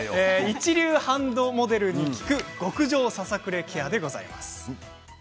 一流ハンドモデルに聞く極上ささくれケアでございます。